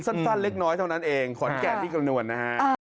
สั้นเล็กน้อยเท่านั้นเองขอนแก่นนี่คำนวณนะฮะ